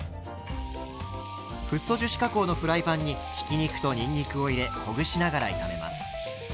フッ素樹脂加工のフライパンにひき肉とにんにくを入れほぐしながら炒めます。